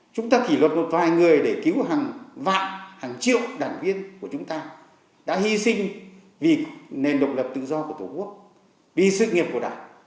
chúng ta kỷ luật một vài người để cứu hàng vạn hàng triệu đảng viên của chúng ta đã hy sinh vì nền độc lập tự do của tổ quốc vì sự nghiệp của đảng